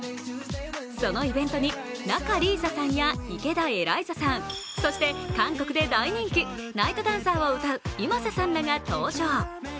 そのイベントに仲里依紗さんや池田エライザさん、そして韓国で大人気「ＮＩＧＨＴＤＡＮＣＥＲ」を歌うｉｍａｓｅさんらが登場。